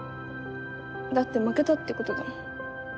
だって負けたってことだもん。